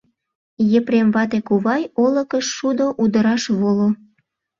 — Епрем вате кувай, олыкыш шудо удыраш воло!